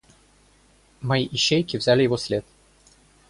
Мои ищейки взяли его след.